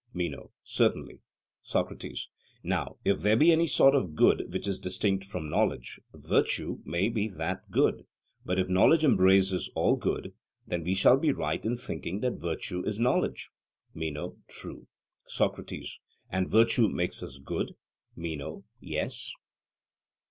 MENO: Certainly. SOCRATES: Now, if there be any sort of good which is distinct from knowledge, virtue may be that good; but if knowledge embraces all good, then we shall be right in thinking that virtue is knowledge? MENO: True. SOCRATES: And virtue makes us good? MENO: Yes.